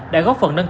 đã góp phần phương án